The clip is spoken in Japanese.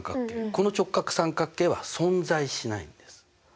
この直角三角形は存在しないんです。